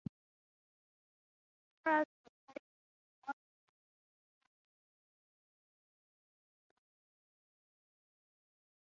Camerer's research is on the interface between cognitive psychology and economics.